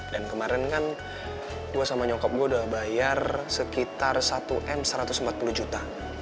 dan kemarin kan gue sama nyokap gue udah bayar sekitar satu m satu ratus empat puluh juta